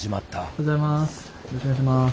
おはようございます。